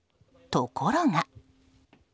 ところが。